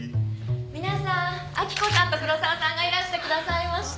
皆さん明子さんと黒沢さんがいらしてくださいました。